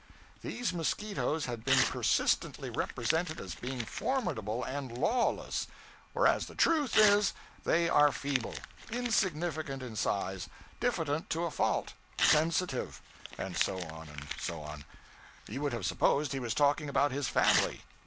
These mosquitoes had been persistently represented as being formidable and lawless; whereas 'the truth is, they are feeble, insignificant in size, diffident to a fault, sensitive' and so on, and so on; you would have supposed he was talking about his family.